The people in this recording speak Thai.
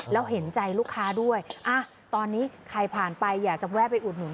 แล้วเห็นใจลูกค้าด้วยตอนนี้ใครผ่านไปอยากจะแวะไปอุดหนุน